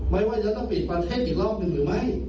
ว่าจะต้องปิดประเทศอีกรอบหนึ่งหรือไม่